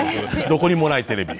「どこにもないテレビ」。